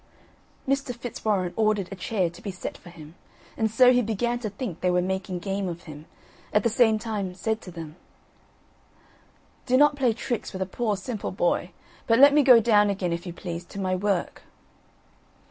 Mr. Fitzwarren ordered a chair to be set for him, and so he began to think they were making game of him, at the same time said to them: "Do not play tricks with a poor simple boy, but let me go down again, if you please, to my work."